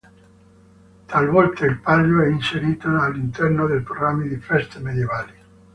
Talvolta il Palio è inserito all'interno dei programmi di feste medievali.